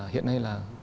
hiện nay là